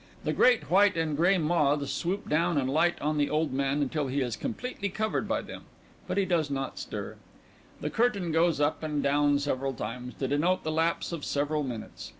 The great white and gray moths swoop down and light on the old man until he is completely covered by them. But he does not stir._ _The curtain goes up and down several times to denote the lapse of several minutes.